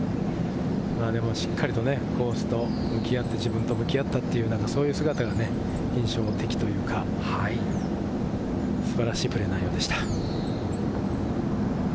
でも、しっかりとコースと向き合って、自分と向き合ったって、そんな姿が印象的というか、素晴らしいプレー内容でした。